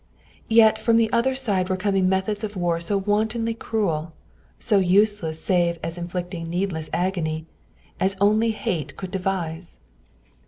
Yet from the other side were coming methods of war so wantonly cruel, so useless save as inflicting needless agony, as only hate could devise.